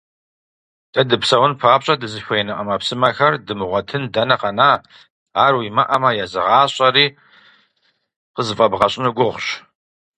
Дэ дыпсэун папщӀэ дызыхуеину Ӏэмэпсымэхэр дымыгъуэтын дэнэ къэна, ар уимыӀэмэ, езы гъащӀэри къызыфӀэбгъэщӀыну гугъущ.